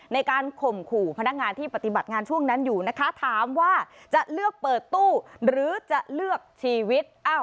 ในการข่มขู่พนักงานที่ปฏิบัติงานช่วงนั้นอยู่นะคะถามว่าจะเลือกเปิดตู้หรือจะเลือกชีวิต